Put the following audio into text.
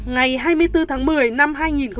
ngày hai mươi bốn tháng một mươi năm hai nghìn một mươi chín